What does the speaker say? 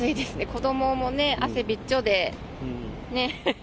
子どももね、汗びっちょで、ね。